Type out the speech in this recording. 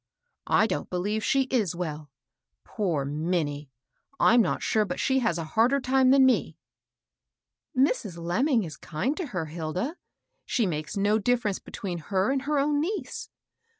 " I don't believe she is well. Poor Minnie 1 I'm not sure but she has a harder time than me." "Mrs. Lemming is kind to her, Hilda. She makes no difference between her and her own niece.